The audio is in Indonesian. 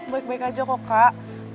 baik baik aja kok kak